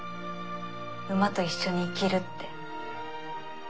馬と一緒に生きるって。